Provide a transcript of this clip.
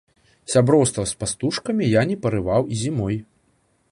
Сяброўства з пастушкамі я не парываў і зімой.